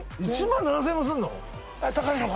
１万７０００円もすんの！？